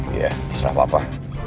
iya sesuai papa